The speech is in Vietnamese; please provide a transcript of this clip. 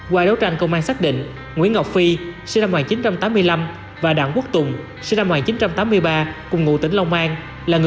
qua đấu tranh công an xác định nguyễn ngọc phi sinh năm một nghìn chín trăm tám mươi năm và đảng quốc tùng sinh năm một nghìn chín trăm tám mươi ba cùng ngụ tỉnh long an là người